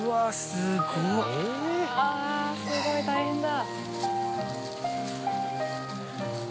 すごい。大変だ。